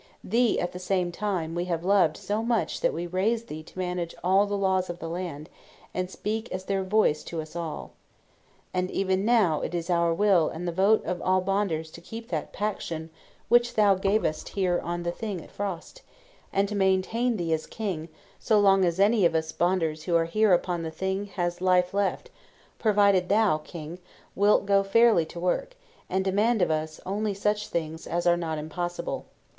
Thee, at the same time, we have loved so much that we raised thee to manage all the laws of the land, and speak as their voice to us all. And even now it is our will and the vote of all Bonders to keep that paction which thou gavest us here on the Thing at Froste, and to maintain thee as king so long as any of us Bonders who are here upon the Thing has life left, provided thou, king, wilt go fairly to work, and demand of us only such things as are not impossible.